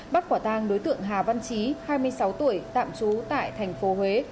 bắt quả tang đối tượng hà văn trí hai mươi sáu tuổi tạm trú tại thành phố huế